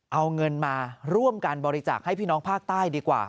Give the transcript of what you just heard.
เอาเงินมาร่วมกันบริจาคให้พี่น้องภาคใต้ดีกว่า